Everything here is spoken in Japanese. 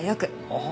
ああ。